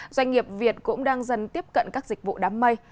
doanh nghiệp việt cũng đang dần tiếp cận các dịch vụ đám mây